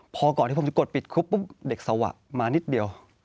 พอก่อนที่ผมจะกดปิดคุกปุ๊บเด็กสวะมานิดเดียว